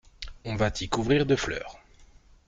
On va t'y couvrir de fleurs.